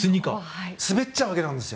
滑っちゃうわけなんですよ。